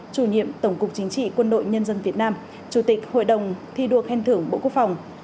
chủ nhiệm tổng cục chính trị quân đội nhân dân việt nam chủ tịch hội đồng thi đua khen thưởng bộ quốc phòng